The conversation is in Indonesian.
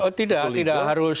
oh tidak tidak harus